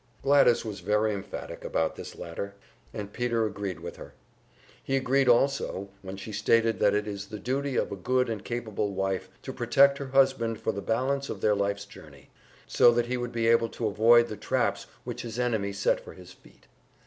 Gladys was very emphatic about this latter, and Peter agreed with her. He agreed also when she stated that it is the duty of a good and capable wife to protect her husband for the balance of their life's journey, so that he would be able to avoid the traps which his enemies set for his feet.